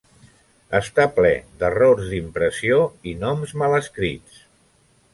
Està ple d'errors d'impressió i noms mal escrits.